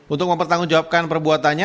untuk mempertanggungjawabkan perbuatannya